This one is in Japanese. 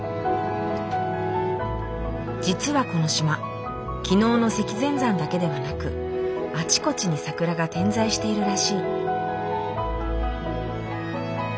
実はこの島昨日の積善山だけではなくあちこちに桜が点在しているらしい。